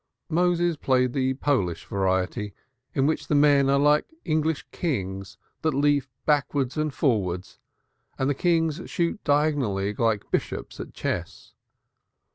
Moses played the Polish variety, in which the men are like English kings that leap backwards and forwards and the kings shoot diagonally across like bishops at chess.